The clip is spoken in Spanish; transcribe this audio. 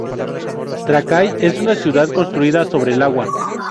Trakai es una ciudad construida sobre el agua.